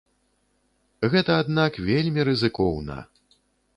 Гэта, аднак, вельмі рызыкоўна.